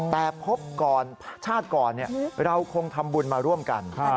แต่พบก่อนชาติก่อนเราคงทำบุญมาร่วมกัน